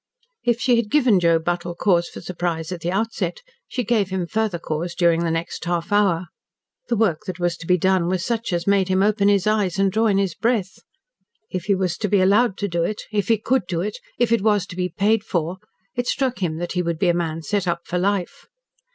If she had given Joe Buttle cause for surprise at the outset, she gave him further cause during the next half hour. The work that was to be done was such as made him open his eyes, and draw in his breath. If he was to be allowed to do it if he could do it if it was to be paid for it struck him that he would be a man set up for life.